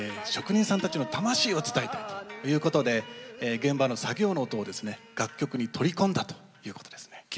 職人さんたちの魂を伝えたいということで現場の作業の音をですね楽曲に取り込んだということですね。